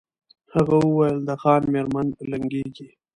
هغه وویل د خان مېرمن لنګیږي